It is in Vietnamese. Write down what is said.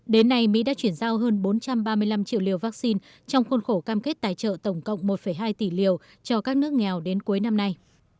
đến nay mỹ đã chuyển giao hơn bốn trăm ba mươi năm triệu liều vaccine trong khuôn khổ cam kết tài trợ tổng cộng một hai tỷ liều cho các nước nghèo đến cuối năm nay